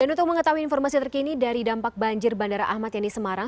dan untuk mengetahui informasi terkini dari dampak banjir bandara ahmad yani semarang